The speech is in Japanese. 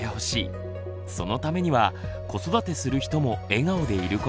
そのためには子育てする人も笑顔でいることが大事。